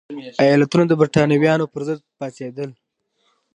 ایالتونه د برېټانویانو پرضد پاڅېدل.